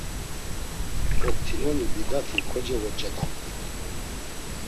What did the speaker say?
Oktinoni bigati kocevoç̌adamt̆it.